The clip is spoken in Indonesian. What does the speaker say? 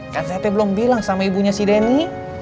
kan saya belum bilang sama ibunya si denny